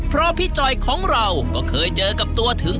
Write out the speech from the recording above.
เพราะพี่จอยของเราก็เคยเจอกับความเหนื่อยก่อน